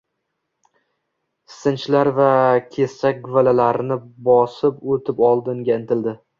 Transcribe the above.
Ssinchlar va kesak guvalalarni bosib o‘tib oldinga intildi.